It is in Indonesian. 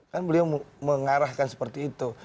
kan beliau mengarahkan seperti itu